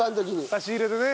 差し入れでね。